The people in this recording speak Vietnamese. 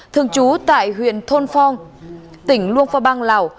thường trú tại huyện thôn phong tỉnh luông pha bang lào